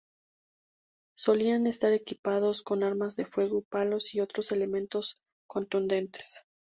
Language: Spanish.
Solían estar equipados con armas de fuego, palos y otros elementos contundentes.